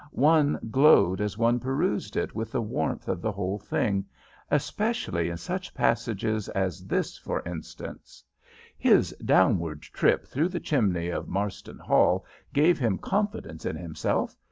One glowed as one perused it with the warmth of the whole thing, especially in such passages as this, for instance: "His downward trip through the chimney of Marston Hall gave him confidence in himself.